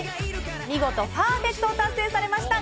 見事パーフェクトを達成されました